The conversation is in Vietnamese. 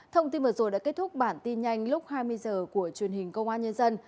thông tin vừa rồi đã kết thúc bản tin nhanh lúc hai mươi h của truyền hình công an nhân dân